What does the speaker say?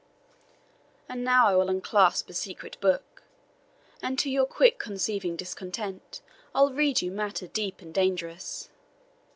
And now I will unclasp a secret book, And, to your quick conceiving discontent, I'll read you matter deep and dangerous.